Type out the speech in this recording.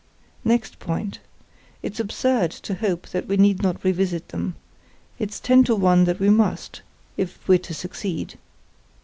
Next point; it's absurd to hope that we need not revisit them—it's ten to one that we must, if we're to succeed.